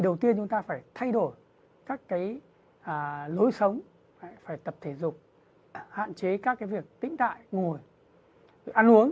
đầu tiên chúng ta phải thay đổi các lối sống phải tập thể dục hạn chế các việc tĩnh đại ngồi ăn uống